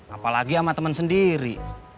apalagi sama temen sendiri